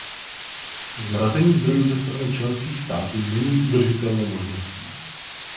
Zmrazení zdrojů ze strany členských států není udržitelnou možností.